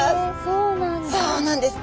そうなんです！